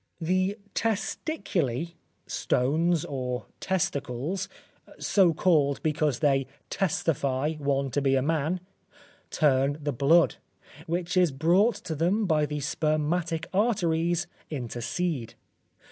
The testiculi, stones or testicles (so called because they testify one to be a man), turn the blood, which is brought to them by the spermatic arteries into seed.